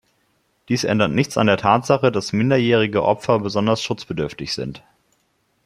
Dies ändert nichts an der Tatsache, dass minderjährige Opfer besonders schutzbedürftig sind.